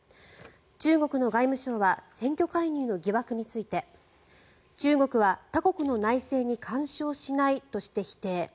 中国の外務省は選挙介入の疑惑について中国は他国の内政に干渉しないとして否定。